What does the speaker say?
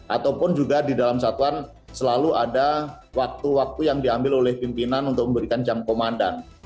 ataupun juga di dalam satuan selalu ada waktu waktu yang diambil oleh pimpinan untuk memberikan jam komandan